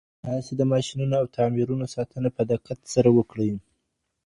تاسي د ماشينونو او تعميرونو ساتنه په دقت سره وکړئ.